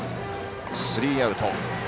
スリーアウト。